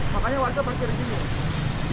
makanya warga parkir di sini